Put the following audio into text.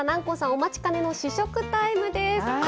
お待ちかねの試食タイムです。